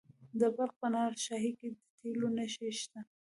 د بلخ په نهر شاهي کې د تیلو نښې شته.